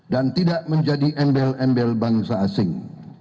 dan tidak menjadi embel embel bangsa asing